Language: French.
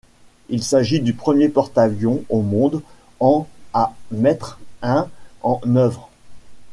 Il s'agit du premier porte-avions au monde en à mettre un en œuvre.